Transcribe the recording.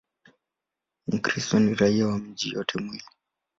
Mkristo ni raia wa miji yote miwili.